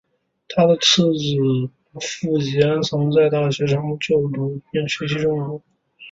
他的次子傅吉安曾在成功大学就读并学习中文。